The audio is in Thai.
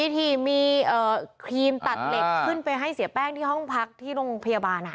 ที่มีครีมตัดเหล็กขึ้นไปให้เสียแป้งที่ห้องพักที่โรงพยาบาล